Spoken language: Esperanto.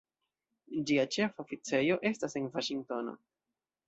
Ĝia ĉefa oficejo estas en Vaŝingtono.